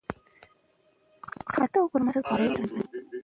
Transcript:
د شرابو څښاک د ځیګر ستونزې زیاتوي.